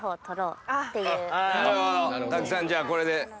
たくさんじゃあこれで。